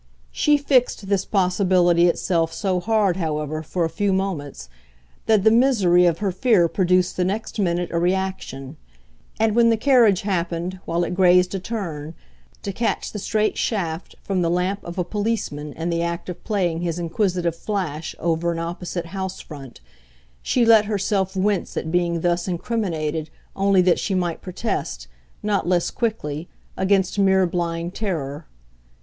She fixed this possibility itself so hard, however, for a few moments, that the misery of her fear produced the next minute a reaction; and when the carriage happened, while it grazed a turn, to catch the straight shaft from the lamp of a policeman in the act of playing his inquisitive flash over an opposite house front, she let herself wince at being thus incriminated only that she might protest, not less quickly, against mere blind terror.